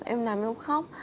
em làm em khóc